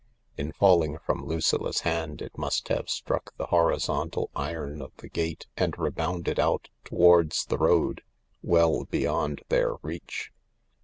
In falling from Lucilla 's hand it must have struck the horizontal iron of the gate and rebounded out towards the road — well beyond their reach.